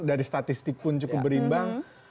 dari statistik pun cukup berimbang